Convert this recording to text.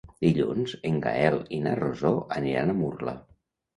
Dilluns en Gaël i na Rosó aniran a Murla.